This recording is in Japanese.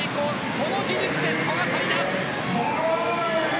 この技術です、古賀紗理那。